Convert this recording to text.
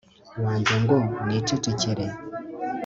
wanjye ngo nicecekere